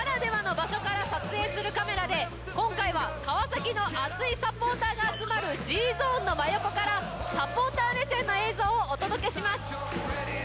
位置から撮影するカメラで今回は川崎の熱いサポーターが集まるＧゾーンの真横からサポーター目線の映像をお届けします。